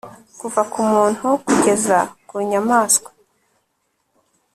kuva ku muntu kugeza ku nyamaswa